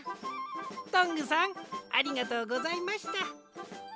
トングさんありがとうございました。